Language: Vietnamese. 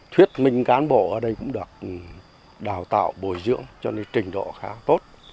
thuyết minh cán bộ ở đây cũng được đào tạo bồi dưỡng cho nên trình độ khá tốt